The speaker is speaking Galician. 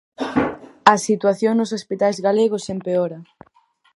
A situación nos hospitais galegos empeora.